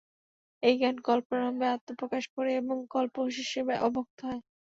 এই জ্ঞান কল্পারম্ভে আত্মপ্রকাশ করে এবং কল্পশেষে অব্যক্ত হয়।